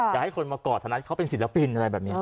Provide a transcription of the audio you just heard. อยากให้คนมากอดเท่านั้นเขาเป็นศิลปินอะไรแบบนี้